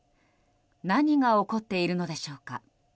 何が起こっているのでしょうか。